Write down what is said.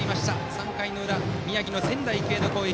３回の裏、宮城の仙台育英の攻撃。